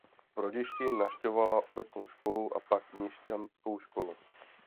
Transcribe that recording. V rodišti navštěvovala obecnou školu a pak měšťanskou školu.